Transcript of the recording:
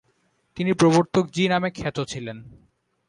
তিনি প্রবর্তক জী নামে খ্যাত ছিলেন।